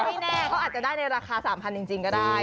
ไม่แน่เขาอาจจะได้ในราคา๓๐๐จริงก็ได้